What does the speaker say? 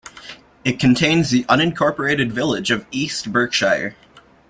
It contains the unincorporated village of East Berkshire.